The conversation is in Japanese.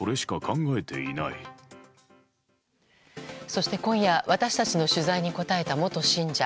そして今夜私たちの取材に答えた元信者。